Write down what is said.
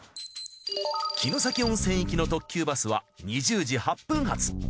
城崎温泉行きの特急バスは２０時８分発。